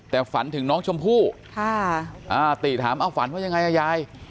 แต่ฝันถึงน้องชมพู่ติถามเอาฝันว่ายังไงอ่ะยาย